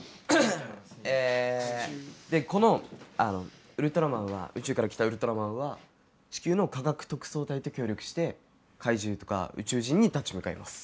えでこのウルトラマンは宇宙から来たウルトラマンは地球の科学特捜隊と協力して怪獣とか宇宙人に立ち向かいます。